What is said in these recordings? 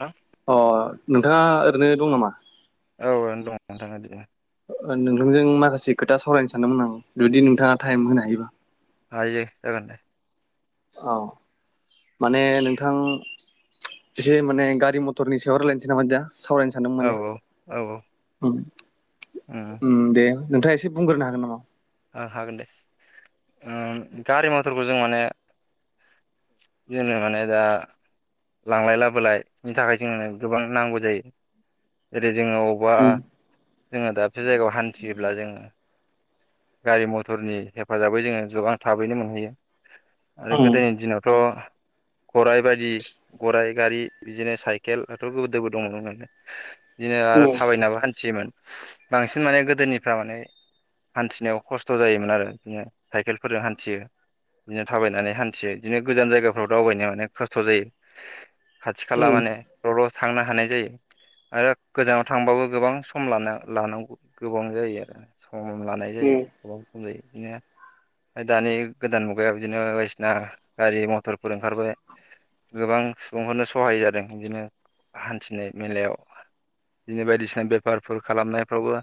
थां अ नोंथाङा ओरैनो दं नामा? औनो दं नोंथाङादिनो [unintelligible] ओ नोंथांजों माखासे खोथा सावरायनो सानदोंमोन आं जुदि नोंथाङा टाइम होनो हायोबा। हायो ओ औ माने नोंथां एसे माने गारि मथरनि सायाव रायलायनोसै नामा नोंथां? सावरायनो सानदों औ माने औ औ उ उम दे। नोंथाङा एसे बुंग्रोनो हागोन नामा हागोन दे ओ गारि मथरखौ जों माने। जोङो माने दा। लांलाय लाबोलायनि थाखाय जोंनो गोबां नांगौ जायो ओरै जोङो अबेबा उम जोङो दाबसे जायगायाव हान्थियोब्ला जोङो। गारि मथरनि हेफाजाबै जोङो गोबां थाबैनो मोनहैयो। आरो उम गोदोनि दिनावथ' गराय बायदि गराय गारि बिदिनो साइकेलथ' गोरि गोदोबो दङमोन बिदिनो आरो उम थाबायनाबो हान्थियोमोन। बांसिन माने गोदोनिफ्रा माने हान्थिनायाव खस्थ' जायोमोन आरो बिदिनो साइकेलफोरजों हान्थियो बिदिनो थाबायनानै हान्थियो बिदिनो गोजान जायगाफ्राव दावबायनो माने खस्थ' जायो। खाथि खाला उम माने र' र' थांनो हानाय जायो आरो गोजानाव थांबाबो गोबां सम लान लानांगौ गोबां जायो आरो। खम लानाय जायो गोबां खम जायो बिदिनो ओमफ्राय दानि गोदान मुगायाव बिदिनो बायदिसिना गारि मथरफोर ओंखारबाय गोबां सुबुंआनो सहाय जादों बिदिनो हान्थिनाय मेलायाव बिदिनो बायदिसिना बेफारफोर खालामनायफ्रावबो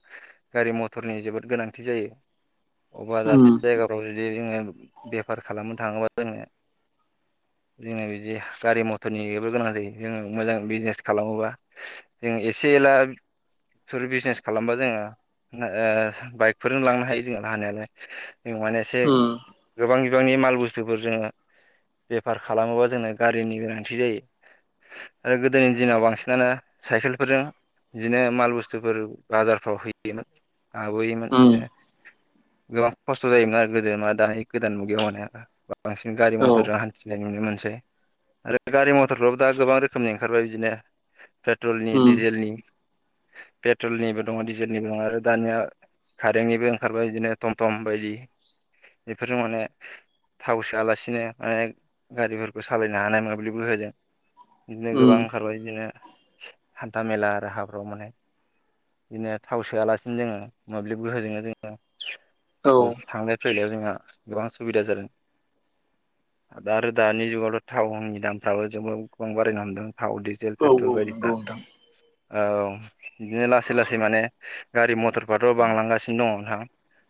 गारि-मथरनि जोबोद गोनांथि जायो। अबेबा दाबसे उम जायगाफ्राव जुदि जोङो बेफार खालामनो थाङोबा जोङो [inaudible] जोङो बिदि गारि-मथरनिबो गोनां जायो जोङो मोजां बिजनेस खालामोबा जों एसे जलाफोर बिजनेस खालामबा जोङो ओ बाइकफोरजों लांनो हायो। जोंहा हानायालाय जों माने एसे उम गोबां बिबांनि माल बुस्थुफोर जोङो बेफार खालामोबा जोंनो गारिनि गोनांथि जायो। ओ गोदोनि दिनाव बांसिननानो सायखेलफोरजों बिदिनो माल बुस्थुफोर बाजारफ्राव होयोमोन लाबोयोमोन उम उम बिदिनो गोबां खस्थ' जायोमोन आरो गोदो मा दानि गोदान मुगैया माने बांसिन गारि औ मथरजों हान्थि नुनो मोनसै आरो गारि मथरफ्राबो दा गोबां रोखोमनि ओंखारबाय बिदिनो पेट्रलनि उम डिजेल नि पेट्रलनिबो दङ डिजेलनिबो दङ आरो दानिया कारेन्टनिबो ओंखारबाय बिदिनो टमटम बायदि बेफोरजों माने थाव सोआलासिनो बायग गारिफोरखौ सालायनो हानाय मोबलिब गोहोजों बिदिनो उम गोबां ओंखारबाय बिदिनो हान्था-मेला आरो हाब्रबो माने बिदिनो थाव सोआलासिनो जोङो मोब्लिब गोहोजोंनो जों औ थांलाय फैलायाव जोंहा गोबां सुबिदा जादों। आरो दानि जुगावथ' थावननि दामफ्राबो जोबोद गोबां बारायनो हमदों। थाव डिजेल औ पेट्रल औ बायदिफ्रा नंगौ नोंथां औ बिदिनो लासै लासै माने गारि मथरफथ' बांलांगासिनो दङ। थां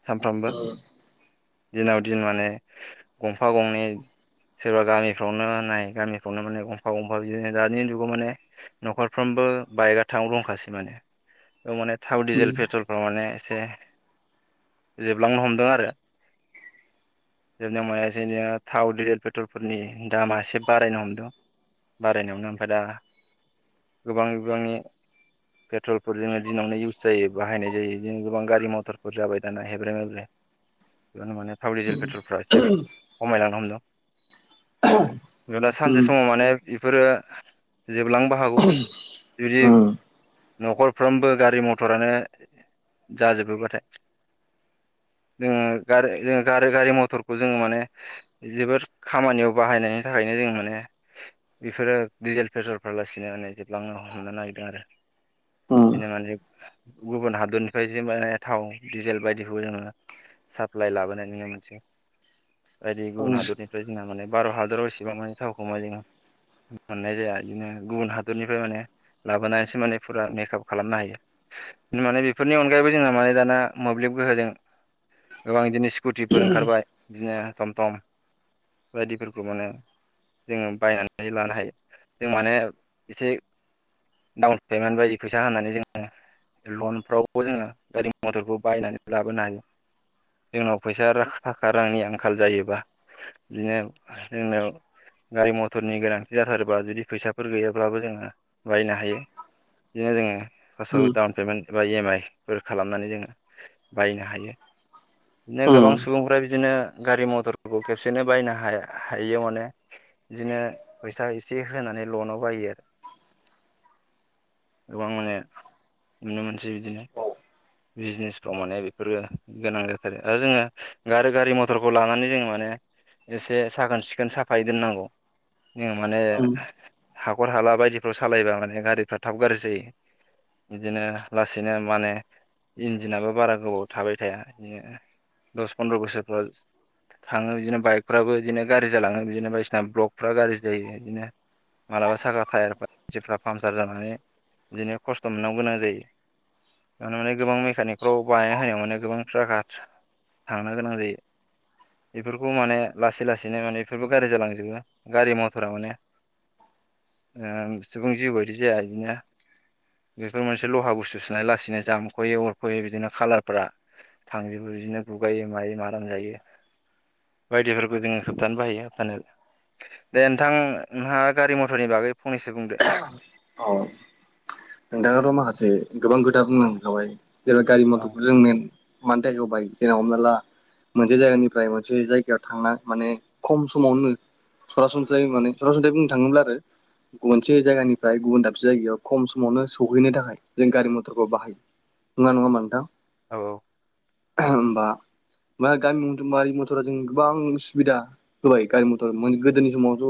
सानफ्रामबो उम दिनाव दिन माने गंफा गंनै सोरबा गामिफ्राव नाय गामिफ्राव माने गंफा गंफा बिदिनो दानि जुगाव माने न'खरफ्रोम बो बाइकआ थाउ दंखासै माने बेयाव माने थाव डिजेल उम पेट्रलफ्राव माने एसे जोबलांनो हमदों आरो जोबनाययाव माने जोंनियाव थाव डिजेल पेट्रलफोरनि दामा एसे बारायनो हमदों। बारायनायावनो ओमफ्राय दा गोबां बिबांनि पेट्रलफोर जोङो दिनावनो इउस जायो बाहायनाय जायो जों गोबां गारि मथर बुर जाबाय दाना हेब्रे मेब्रे बेयावनो माने थाव डिजेल पेट्रलफ्रा एसे खमायलांनो हमदों [unintelligible] जेब्ला सानसे उम समाव माने बेफोरो जोबलांबो हागौ जुदि उम न'खरफ्रोमबो गारि मथर आरो जाजोबयोबाथाय जोङो गा-गारि-गारि मथरखौ जोङो माने जबोर खामानियाव बाहायनाय बेनि थाखायनो जों माने बेफोरो डिजेल पेट्रल फलासिनो माने जोबलांनो हमनो नागिरदों आरो [inaudible] बिदिनो माने गुबुन हादरनिफ्राय जमा थाव दिजेल बायदिखौ जोङो साप्लाइ लाबोनायनि मोनसे बायदि गुबुन उम हादरनिफ्राय जोंना माने भार' हादराव एसेबां माने थावखोमा जोंहा मोननाय जाया बिदिनो गुबुन हादरनिफ्राय माने लाबोनानैसो माने फुरा मेकआप खालामनो हायो जों मानि बेफोरनि अनगायैबो जोंहा मानि दाना मोब्लिब गोहोदों गोबां बिदिनो स्कुटिफोर ओंखारबाय बिदिनो थम थम बायदिफोरखौ माने जोङो बायनानै लानो हायो जों माने एसे डाउन पेमेन्ट बायदि फैसा होनानै जोङो लनफ्रावबो जोङो गारि मथरखौ। बायनानै बाब नला जोंनाव फैसा आरो थाखा रांनि आंखाल जायोबा बिदिनो जोंना गारि मथरनि गोनांथि जाथारोबा जुदि फैसाफोर गैयाब्लाबो जोङो बायनो हायो। नो जोंङो। फार्स्टआव डाउन पेमेन्ट एबा इएम आइफोर खालामनानै जोङो बायनो हायो। नो गोबां उम सुबुंफ्रा बि बिदिनो गारि मथरफोरखौ खेबसेनो बायनो हाया हयोयाव मानि बिदिनो फैसा ए चेक होनानै लनाव बायो। [inaudible] गोबां माने नुनो मोनसै बिदिनो। औ बिजनेसफ्राव माने बेफोरो गोनां जाथारो आरो जोङो गारो गारि मथरखौ लानानै जों माने एसे साखोन सिखोन साफायै दोननांगौ ज माने उम हाखर हाला बायदिफ्राव सालायबा माने गारिफ्रा थाब गाज्रि जायो। बिदिनो लासैनो माने इन्जिनाबो बारा गोबाव थाबाय थाया बिदिनो दस फन्द्र' बोसोरफोर थाङो बिदिनो बाइकफ्राबो बिदिनो गाज्रि जालाङो बिदिनो बायदिसिना ब्लकफ्रा गाज्रि जायो बिदिनो मालाबा सागा टायेर फोरा जिफोरा पामसार जानानै बिदिनो खस्थ' मोननांगौ गोनां जायो। आं मा गोबां मेकानिकफ्राव बानाय होनायाव माने गोबां फाखा थांनो गोनां जायो बेफोरखौ माने लासै लासैनो माने बेफोरबो गारि्रि जालांजोबो गारि मथरा माने [inaudible] सिगुं जि बरसै आरोदिना बेफोर मोनसे लहा बुस्थु सोना लासैनो जामो खरख'यै अरख'यै बिदिनो खालारफ्रा थांजोबो बिदिनो गुगायोै मायो माम जायो । बायदिफोरखौ जोङो होबथानो हायो होबथानो दे नोंथां नोंहा गारि मथरनि बागै फंनैसो बुंदो औ नोंथाङाथ' माखासे गोबां खोथा बुंनांखाबाय जेने गारि औ मथरखौ जों मानो थाखायग बायो जेना हमना ला मोनसे जायगानिफ्राय मोनसे जायगायाव थांना माने खम समावनो सरासनस्रायै माने सरासनस्रायै बुंनो थांयोब्ला आरो गुबुनसे जायगानिफ्राय गुबुन दाबसे जायगायाव खम समावनो सौहैनो थाखाय जों गारि मथरखौ बाहायो नङ नङ होनबा नोंथां। औ औ। होनबा। म गामि म गारि मथरा जों गोबां सुबिदा होबाय गामि मथर म गोदोनि समावथ'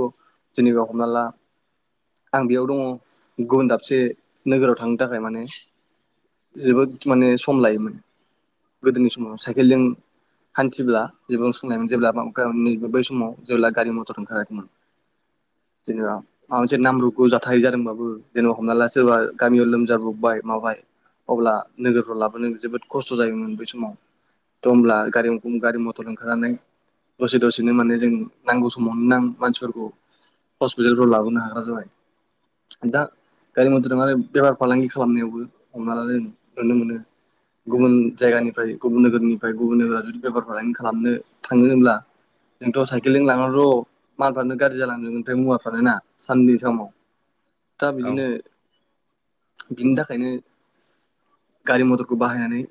जनैबा हमना ला आं बेयाव दङ गुबुन दाबसे नोगोराव थांनो थाखाय माने जोबोद माने सम लायोमोन गोदोनि समाव साइकेलजों हाथिब्ला एउन समाव जेब्ला गावनि बै समाव जेब्ला गारि मटर ओंखारयाखैमोन। जेनबा पास से नामब्रुग जाथाय जादोंबाबो जेनेबा हमना ला सोरबा गामियाव लोमजाब्रबबाय माबाय अब्ला नोगोरफ्राव लाबोनो जोबोद खस्थ' जायोमोन बै समाव थ होमब्ला गारि-गारि मथर ओंखारनानै दसे दसेनो माने जों नांगौ समावनो नां मानसिफोरखौ हस्पितालफ्राव लाबोनो हा गौ जाबाय दा गारि मथर दो आरो बेफार फालांगि खालामनायावबो हमनाला जों नुनो मोनो। गुबुन जायगानिफ्राय गुबुन नोगोरनिफ्राय गुबुन जागा जुदि बेफार फालांगि खालामनो थांनोरोंब्ला जोंथ' साइकेलजों लांना र' मालफ्रानो गारि जालांदों ओमफ्राय मुवाफ्रानो ना साननि समाव दा औ बिदिनो बिनि थाखायनो गारि मथरखौ बाहायनानै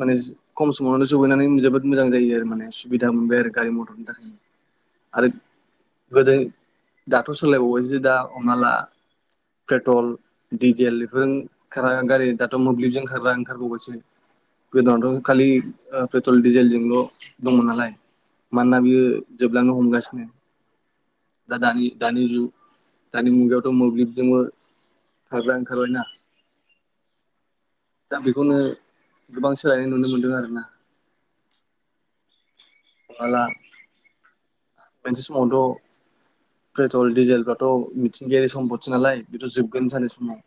माने खम समावनो सहैनानै जोबोद मोजां जायो आरो माने सुबिदा मोनबाय आरो गारि मथरनि थाखाय आरो गोदो दाथ' सोलायबावबायसो दा हमनाला पेट्रल डिजेल बेफोर खार गारि दाथ' मोब्लिबजों खारग्रा ओंखारबावबासो गोदोनाथ' खालि पेट्रल डिजेलजोंल' दं नालाय मानोना बियो जोबलांनो हमगासिनो दा दानि दानि जुग दानि मुगायावथ' मोब्लिबजोंबो खारग्रा ओंखारबायना। [inaudible] दा बेखौनो गोबां सोलायनाय नुनो मोनदों आरो ना। [unintelligible] मोनसे समावथ' पेट्रल डिजेलफ्राथ' मिथिंगायारि सम्पदस नालाय बेथ' जोबगोन सानसे समाव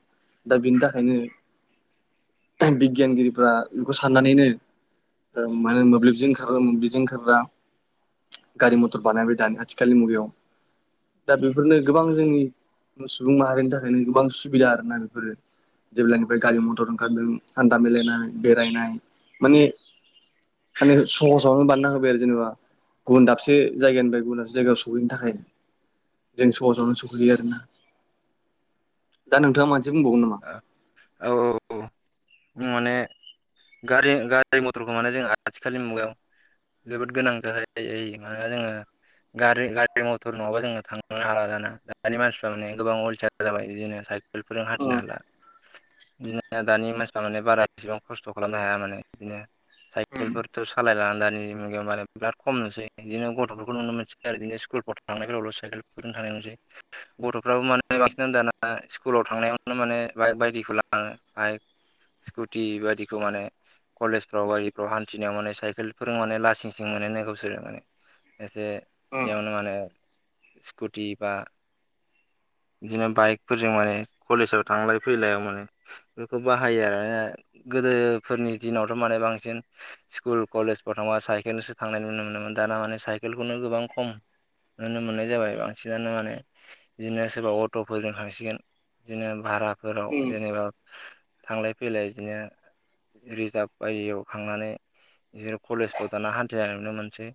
दा बिनि थाखायनो बिगियानगिरिफ्रा बेखौ साननानैनो ओ माने मोब्लोबजों ओंखार मोब्लोबजों ओंखारग्रा गारि मटर बानायबाय दानि आथिखालनि मुगायाव। दा बेफोरनो गोबां जोंनि सुबुं माहारिनि थाखायनो गोबां सुबिदा आर ना बेफोरो। जेब्लानिफ्राय गारि मथर ओंखारदों हानथा मिलायनाय बेरायनाय माने माने सहसावनो बानायना होबाय आरो जेनेबा गुबुन दाबसे जायगानिफ्राय गुबुन दाबसे जायगायाव सहैनो थाखाय जों सहसावनो सहैयो आरोना दा नोंथाङा मान औ औ अम माने गारि-गारि मथरखौ माने जों आथिखालनि मुगायाव जोबोद गोनां जायो मानोना जोंङो गारि-गारि मथर नङाबा जों थांनो हालादा ना दानि मानसिफ्रा माने गोबां अलसिया जाबाय बिदिनोेसा फोरों हान्थिनो हाला दानि मान सि माने बारा इसेबां खस्थ' खालामनो हाया माने बिदिनो साइकेलफोरथ' सालायला दानि मुगायाव माने बिराद खम नुसै बिदिनो गथ'फोरखौ नुनो मोनसै आरो बिदिनो स्कुलाव थांनायफोराव' साइकेल फोरों थां नाय गथ'फ्राबो माने बांसिनानो दाना स्कुलाव थांनायावनो माने बाइक बायदिखौ लांङो। बाइक स्कुटि बायदिखौ माने कलेजफ्राव गारिफ्राव हान्थिनायाव माने साइकेल फोरों माने लासिं सिं मोन गावसोरो माने एसे जेयावनो माने स्कुटि बा बिदिनो बाइकफोरजों माने कलेजाव थांलाय फैलायाव माने बे बाहायो आरो गोदोफोरनि दिनावथ' माने बांसिन स्कुल कलेजफोर थांबा साइ साइकेलसो थांनाय नुनो मोनोमोन दाना माने साइकेलखौनो गोबां खम नुनो मोननाय जाबाय बांसिनानो माने बिदिनो सोरबा अट'फोरजों थांसिगोन बिदिनो भाराफोराव उम उम जेनेबा थांलाय फैलाय बिदिनो रिजार्भ बायदियाव थांनानै बिदिनो कलेजफ्राव थांना हान्थिनाय नुनो मोनसै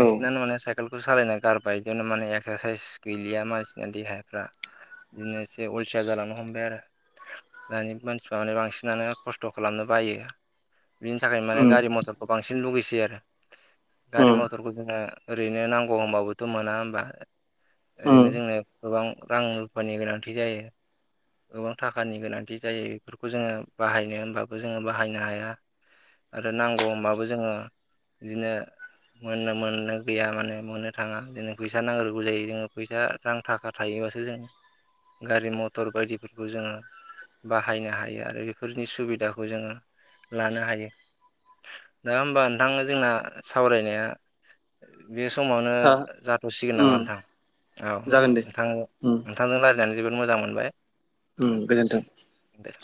औ माने साय केलखौ सालायना गारबाय बिदिनो माने एक्सारसाइस गैलिया मानसिना देहाफ्रा बिदिनो एसे अलथिया जालांनो हमबाय आरो। दानि मानसिफ्रा माने बांसिनानो खस्थ' खालामनो बायो । बिनि थाखाय माने उम गारि मथरखौ बांसिन लुगैसै आरो गारि उम मथरखौ जोङो ओरैनो नांगौ होनबाबोथ' मोना होमबा ओरैनो उम जोंनो गोबां रां रुफानि गोनांथि जायो गोबां थाखानि गोनांथि बिदि जायो बेफोरखौ जोङो बाहायनो होमबाबो जोङो बाहायनो हाया आरो नांगौ होमबाबो जोङो बिदिनो मोननो मोननो गैया माने मोननो थाङा जोंनो फैसा नांग्रोगौ जायो जोङो फैसा रां थाखा थायो । बासो जों गारि मटर बायदिफोरखौ जोङो बाहायनो हायो आरो बेफोरनि सुबिदाखौ जों लानो हायो दा होमबा नोंथां जोंना सावरायनाया बे समावनो हा जाथ'सिगोन नामा उम नोंथां? औ जागोन दे नोंथां उम नोंथांजों रायल्लायनानै जोबोद मोजां मोनबाय उम गोजोन्थों । दे